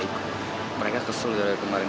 panas ya hari